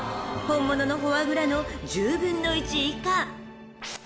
［本物のフォアグラの１０分の１以下］